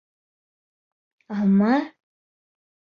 — Алма?..